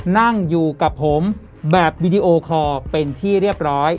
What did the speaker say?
นั่งอยู่กับผมแบบวีดีโอคอร์เป็นที่เรียบร้อย